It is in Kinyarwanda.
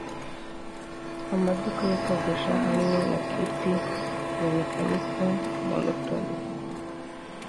amaduka yo kogosha hamwe na clipi ya maniacal, monotony